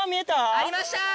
ありました！